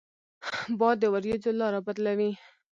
باد د ورېځو لاره بدلوي